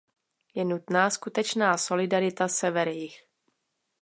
Je nutná skutečná solidarita Sever-Jih.